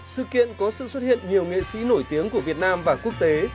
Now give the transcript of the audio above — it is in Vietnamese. sự kiện có sự xuất hiện nhiều nghệ sĩ nổi tiếng của việt nam và quốc tế